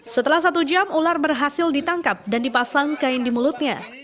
setelah satu jam ular berhasil ditangkap dan dipasang kain di mulutnya